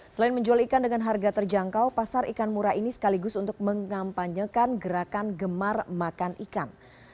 selain menjual ikan dengan harga terjangkau pasar ikan murah ini sekaligus untuk mengampanyekan gerakan gemar makan ikan